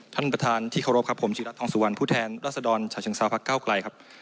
ท่านประธานที่เคารพครับผมศิรัตทองสุวรรณผู้แทนรัศดรชาเชิงซาพักเก้าไกลครับ